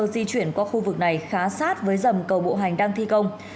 di chuyển qua khu vực này khá sát với dầm cầu bộ hành đang thi công